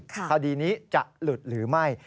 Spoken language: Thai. คดีนี้จะหลุดหรือไม่